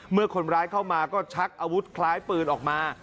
เมื่อคนร้ายเข้ามาก็ชักอาวุธคล้ายปืนออกมา